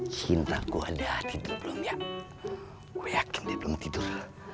cinta gua ada tidur belum ya gue yakin dia belum tidur